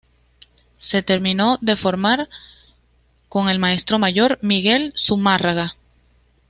Se terminó de formar con el maestro mayor, Miguel de Zumárraga.